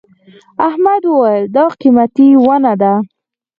احمد وويل: دا قيمتي ونه ده.